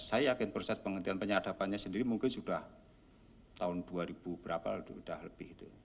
mungkin proses penghentian penyadapannya sendiri mungkin sudah tahun dua ribu berapa udah lebih itu